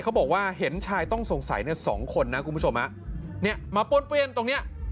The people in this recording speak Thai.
เขาบอกว่าเห็นชายต้องสงสัยเนี่ยสองคนนะคุณผู้ชมฮะเนี่ยมาป้วนเปี้ยนตรงเนี้ย